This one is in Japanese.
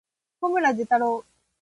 小村寿太郎